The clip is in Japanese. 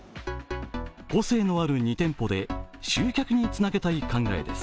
個性のある２店舗で集客につなげたい考えです。